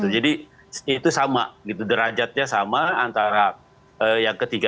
jadi itu sama derajatnya sama antara yang ketiga